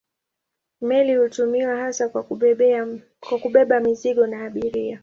Meli hutumiwa hasa kwa kubeba mizigo na abiria.